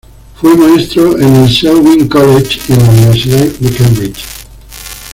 Fue maestro en el Selwyn College y en la Universidad de Cambridge.